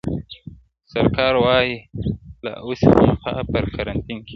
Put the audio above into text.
سرکار وايی لا اوسی خامخا په کرنتین کي٫